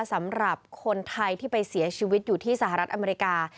สำหรับคนไทยที่ไปเสียชีวิตอยู่ที่สหรัฐอเมริกา